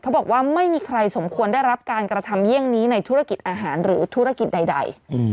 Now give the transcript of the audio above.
บอกว่าไม่มีใครสมควรได้รับการกระทำเยี่ยงนี้ในธุรกิจอาหารหรือธุรกิจใด